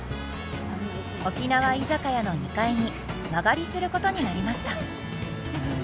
沖縄居酒屋の２階に間借りすることになりました。